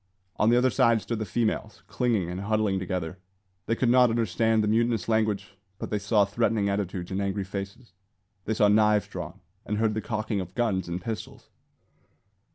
On the other side stood the females, clinging and huddling together. They could not understand the mutinous language, but they saw threatening attitudes and angry faces. They saw knives drawn, and heard the cocking of guns and pistols.